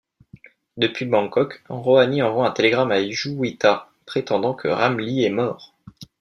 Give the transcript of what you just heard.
Depuis Bangkok, Rohani envoie un télégramme à Juwita, prétendant que Ramlee est mort...